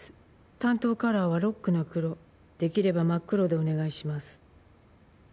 「担当カラーはロックな黒出来れば真っ黒でお願いします」